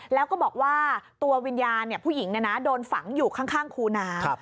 แล้วก็บอกว่าตัววิญญาณผู้หญิงโดนฝังอยู่ข้างคูน้ำ